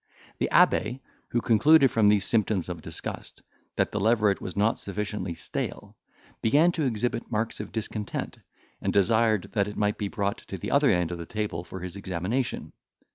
The abbe, who concluded, from these symptoms of disgust, that the leveret was not sufficiently stale, began to exhibit marks of discontent, and desired that it might be brought to the other end of the table for his examination.